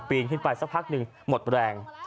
ขึ้นไปสักพักหนึ่งหมดแรง